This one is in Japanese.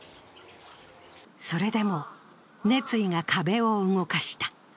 それでも、熱意が壁を動かした。